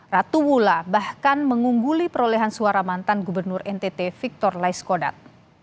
ratu wullah bahkan mengungguli perolehan suara mantan gubernur ntt victor laiskodat